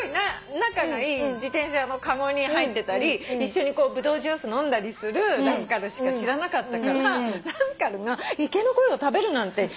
自転車の籠に入ってたり一緒にぶどうジュース飲んだりするラスカルしか知らなかったからラスカルが池のコイを食べるなんて。